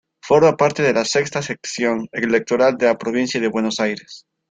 Forma parte de la Sexta Sección Electoral de la Provincia de Buenos Aires.